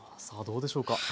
さあどうでしょうか。